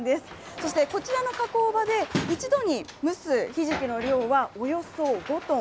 そして、こちらの加工場で一度に蒸すひじきの量は、およそ５トン。